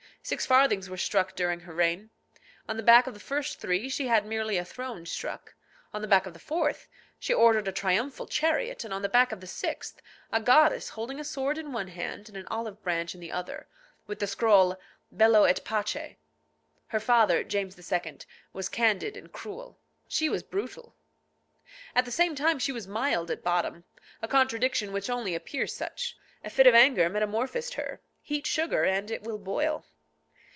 Six farthings were struck during her reign. On the back of the first three she had merely a throne struck, on the back of the fourth she ordered a triumphal chariot, and on the back of the sixth a goddess holding a sword in one hand and an olive branch in the other, with the scroll, Bello et pace. Her father, James II., was candid and cruel; she was brutal. At the same time she was mild at bottom. A contradiction which only appears such. A fit of anger metamorphosed her. Heat sugar and it will boil.